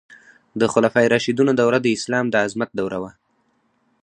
د خلفای راشدینو دوره د اسلام د عظمت دوره وه.